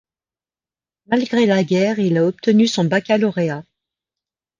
Malgré la guerre, il a obtenu son baccalauréat.